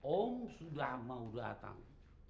om sudah mau datang